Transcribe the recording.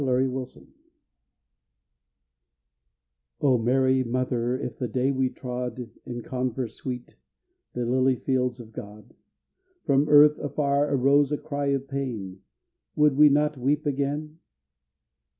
LULLABY O Mary, Mother, if the day we trod In converse sweet the lily fields of God, From earth afar arose a cry of pain, Would we not weep again?